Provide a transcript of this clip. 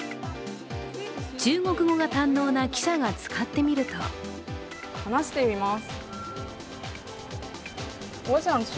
中国語が堪能な記者が使ってみると話してみます。